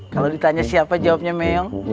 kalau ditanya siapa jawabnya meong